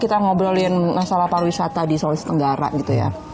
kita ngobrolin masalah pariwisata di sulawesi tenggara gitu ya